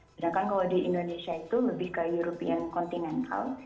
sedangkan kalau di indonesia itu lebih ke european continental